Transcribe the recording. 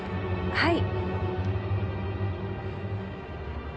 はい。